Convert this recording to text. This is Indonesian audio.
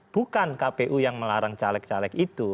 bukan kpu yang melarang caleg caleg itu